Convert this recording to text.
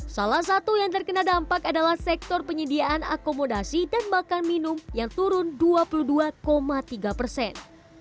salah satu yang terkena dampak adalah sektor penyediaan akomodasi dan makan minum yang turun dua puluh dua tiga persen